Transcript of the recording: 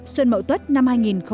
xuân mậu tuất năm hai nghìn một mươi tám